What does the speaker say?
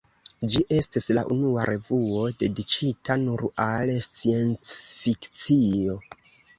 Ĝi estis la unua revuo dediĉita nur al sciencfikcio.